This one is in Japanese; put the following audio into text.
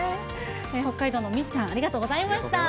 北海道のみっちゃん、ありがとうございました。